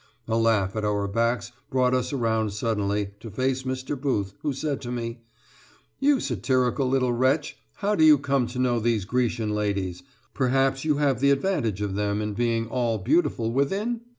A laugh at our backs brought us around suddenly to face Mr. Booth, who said to me: "You satirical little wretch, how do you come to know these Grecian ladies? Perhaps you have the advantage of them in being all beautiful within?"